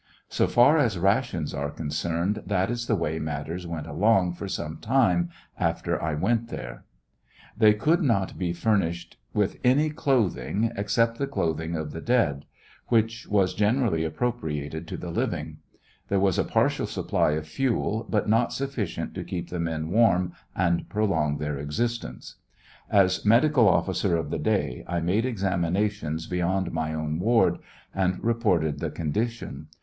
So far as rations are concerned, that is the way matters went along for some time after I went there. #*» They could not be furnished with any clothing, except the clothing of the dead, which was generally appropriated to the living. There was a partial supply ot fuel, but not sufficient to keep the men warm and prolong their existence. As medical officer of the day, I made examinations beyond my own ward, and reported the condition.